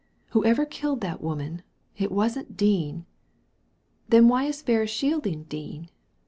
Whosoever killed that woman, it wasn't Dean." " Then why is Ferris shielding Dean